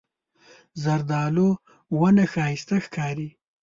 زردالو ونه ښایسته ښکاري.